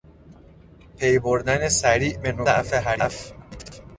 پیبردن سریع به نکات ضعف حریف